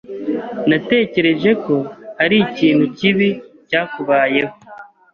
Natekereje ko hari ikintu kibi cyakubayeho.